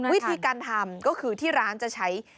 วิธีการทำก็คือที่ร้านจะใช้